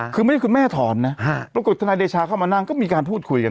คือไม่ได้คุณแม่ถอนนะปรากฏธนายเดชาเข้ามานั่งก็มีการพูดคุยกัน